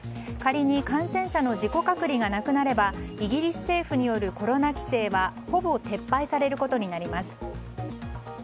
仮に感染者の自己隔離がなくなればイギリス政府によるコロナ規制はほぼ撤廃されることになります。